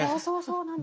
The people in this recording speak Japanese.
そうそう。